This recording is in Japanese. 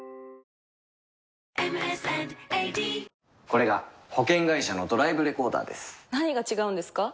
これが保険会社のドライブレコーダーです何が違うんですか？